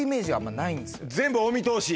全部お見通し？